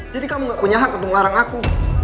jadi kamu gak punya hak untuk ngelarang aku